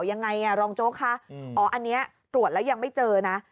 ยังไงรองโจ๊กคะอ๋ออันนี้ตรวจแล้วยังไม่เจอนะ